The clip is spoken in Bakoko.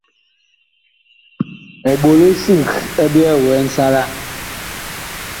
Eɓolo sig ɛ byɛɛ wɛɛ nsalaa.